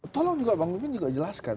tolong juga bang mimpin juga jelaskan